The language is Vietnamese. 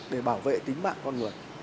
để bảo vệ tính mạng con người